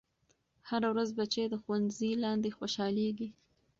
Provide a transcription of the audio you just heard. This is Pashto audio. هره ورځ بچے د ښوونځي لاندې خوشحالېږي.